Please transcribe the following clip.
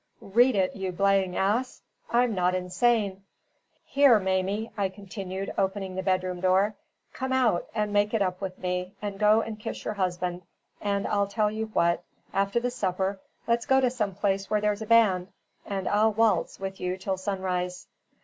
Read it, you blaying ass! I'm not insane. Here, Mamie," I continued, opening the bedroom door, "come out and make it up with me, and go and kiss your husband; and I'll tell you what, after the supper, let's go to some place where there's a band, and I'll waltz with you till sunrise."